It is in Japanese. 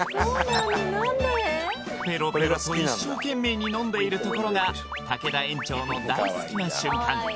ペロペロと一生懸命に飲んでいるところが竹田園長の大好きな瞬間